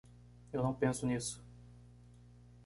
Eu não penso nisso!